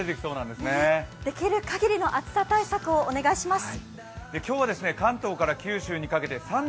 できる限りの暑さ対策をお願いします。